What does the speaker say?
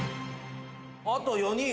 あと４人。